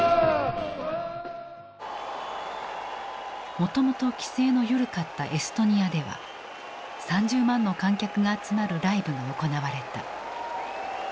もともと規制の緩かったエストニアでは３０万の観客が集まるライブが行われた。